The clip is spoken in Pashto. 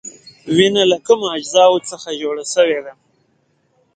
وینه له کومو اجزاوو څخه جوړه شوې ده؟